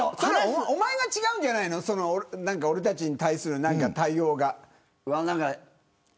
おまえが違うんじゃないの俺たちに対する対応が。